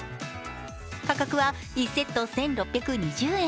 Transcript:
価格は１セット１６２０円。